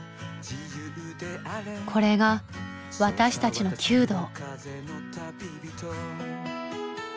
これが私たちの弓道。